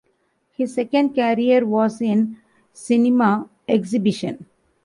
His second career was in cinema exhibition.